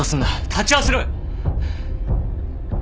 立ち会わせろよ。